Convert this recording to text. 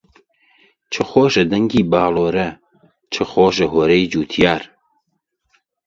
چ خۆشە دەنگی باللۆرە، چ خۆشە هۆوەرەی جوتیار